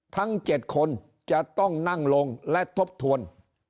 ทั้ง๗คนจะต้องนั่งลงและทบทวน